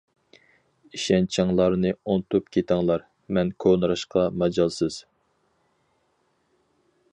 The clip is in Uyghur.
ئىشەنچىڭلارنى ئۇنتۇپ كېتىڭلار، مەن كونىراشقا ماجالسىز.